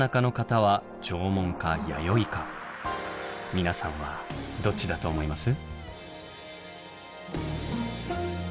皆さんはどっちだと思います？